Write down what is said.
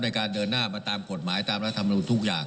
ในการเดินหน้ามาตามกฎหมายตามรัฐมนุนทุกอย่าง